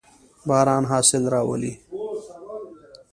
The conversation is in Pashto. باران حاصل راولي.